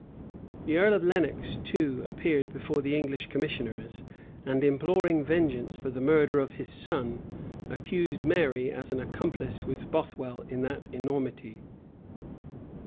[] The earl of Lenox too appeared before the English commissioners, and, imploring vengeance for the murder of his son, accused Mary as an accomplice with Bothwell in that enormity.